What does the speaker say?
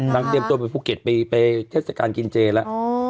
นางเดินตัวไปภูเก็ตไปไปเทศกาลกินเจล่ะอ๋อ